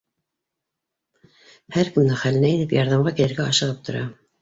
Һәр кемдең хәленә инеп, ярҙамға килергә ашығып тора.